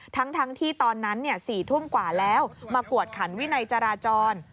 ทั้งที่ตอนนั้น๔ทุ่มกว่าแล้วมากวดขันวินัยจราจร